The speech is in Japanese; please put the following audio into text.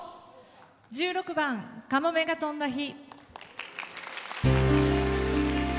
１６番「かもめが翔んだ日」。